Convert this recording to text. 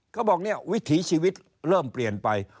เขาบอกเนี่ยวิถีชีวิตเริ่มเปลี่ยนไป